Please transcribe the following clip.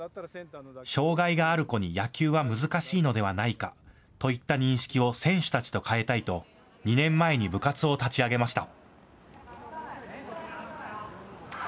障害がある子に野球は難しいのではないかといった認識を選手たちと変えたいと２年前に部活を立ち上げました。